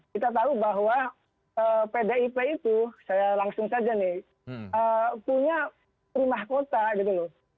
kita tahu bahwa pdip itu saya langsung saja nih punya rumah kota gitu loh